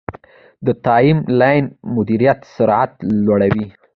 د ټایملاین مدیریت سرعت لوړوي.